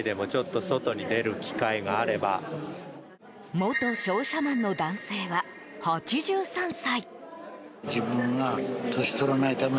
元商社マンの男性は、８３歳。